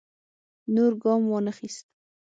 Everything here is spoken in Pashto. نور ګام وانه خیست.